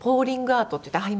アートっていってあっ